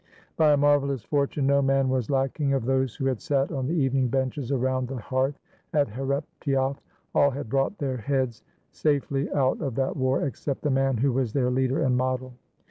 By a marvelous fortune, no man was lacking of those who had sat on the evening benches around the hearth at Hreptyoff, all had brought their heads safely out of that war, except the man who was their leader and model.